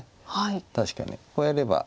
確かにこうやれば。